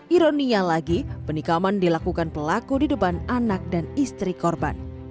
ironinya lagi penikaman dilakukan pelaku di depan anak dan istri korban